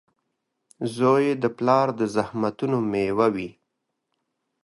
• زوی د پلار د زحمتونو مېوه وي.